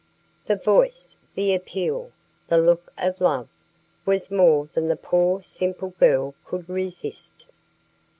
The voice, the appeal, the look of love, was more than the poor, simple girl could resist.